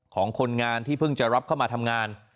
ของคนงานที่เพิ่งจะรับเข้ามาทำงาน